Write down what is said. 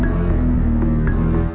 terima kasih bang